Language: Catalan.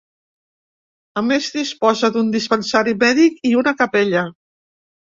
A més disposa d'un dispensari mèdic i una capella.